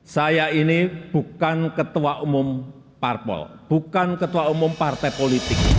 saya ini bukan ketua umum parpol